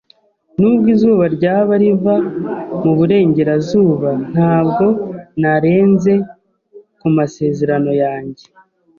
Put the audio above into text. [S] Nubwo izuba ryaba riva mu burengerazuba, ntabwo narenze ku masezerano yanjye.